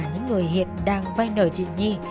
những người hiện đang vai nở trị nhi